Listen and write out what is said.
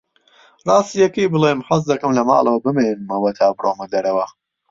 ڕاستییەکەی بڵێم، حەز دەکەم لە ماڵەوە بمێنمەوە تا بڕۆمە دەرەوە.